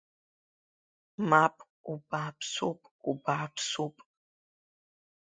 Мап, убааԥсуп, убааԥсуп!